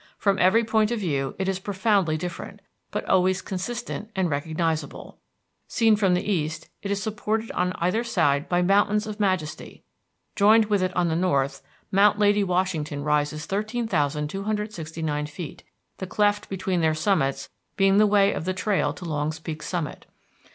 From every point of view it is profoundly different, but always consistent and recognizable. Seen from the east, it is supported on either side by mountains of majesty. Joined with it on the north, Mount Lady Washington rises 13,269 feet, the cleft between their summits being the way of the trail to Longs Peak summit.